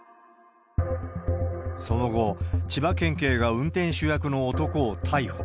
その後、千葉県警が運転手役の男を逮捕。